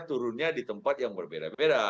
turunnya di tempat yang berbeda beda